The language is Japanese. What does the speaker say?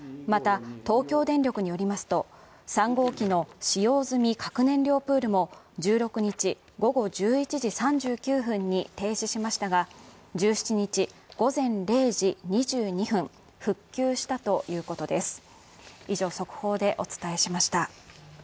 また東京電力によりますと、３号機の使用済み核燃料プールも１６日、午後１１時３９分に停止しましたが１７日午前０時２２分復旧したということです。